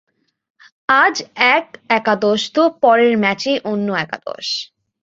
আজ এক একাদশ তো পরের ম্যাচেই অন্য একাদশ।